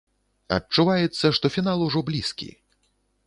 Адчуваецца, што фінал ужо блізкі.